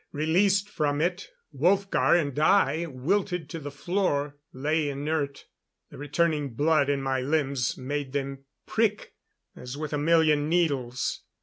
Released from it, Wolfgar and I wilted to the floor lay inert. The returning blood in my limbs made them prick as with a million needles.